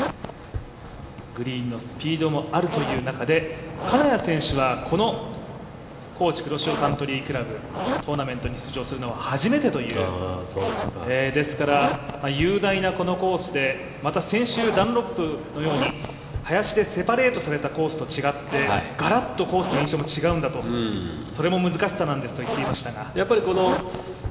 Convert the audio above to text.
グリーンのスピードもあるという中で金谷選手は、このＫｏｃｈｉ黒潮カントリークラブ、トーナメントに出場するのはですから雄大なこのコースで、また先週、ダンロップのように林でセパレートされたコースと違ってガラッとコースの印象も違うんだと、それも難しさなんだと言っていましたが。